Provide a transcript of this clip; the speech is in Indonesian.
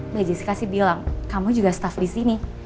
mbak jessica sih bilang kamu juga staff di sini